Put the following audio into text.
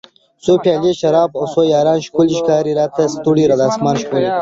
څو پیالۍ شراب او څو یاران ښکلي ښکاري راته ستوري د اسمان ښکلي